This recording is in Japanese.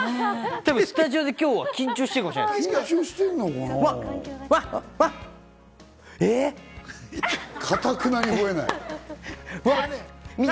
スタジオで今日は緊張してるかもしれません。